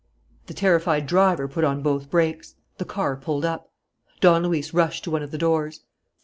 The terrified driver put on both brakes. The car pulled up. Don Luis rushed to one of the doors.